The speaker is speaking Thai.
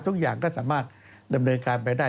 ทุกอย่างก็สามารถดำเนินการไปได้